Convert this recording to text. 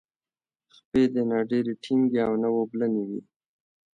خپې دې نه ډیرې ټینګې او نه اوبلنې وي.